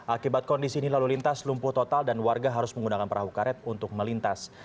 akibat kondisi ini lalu lintas lumpuh total dan warga harus menggunakan perahu karet untuk melintas